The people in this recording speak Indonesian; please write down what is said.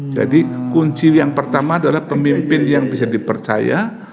kunci yang pertama adalah pemimpin yang bisa dipercaya